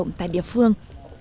động tại địa phương